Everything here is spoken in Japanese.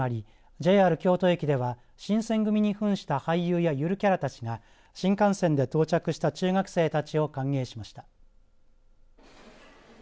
ＪＲ京都駅では新選組にふんした俳優やゆるキャラたちが新幹線で到着した中学生たちを歓迎しました。